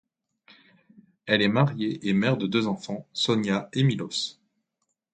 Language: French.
Elle est mariée et mère de deux enfants, Sonja et Miloš.